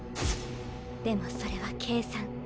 でもそれは計算。